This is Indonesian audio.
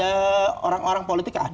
ya orang orang politik ada gitu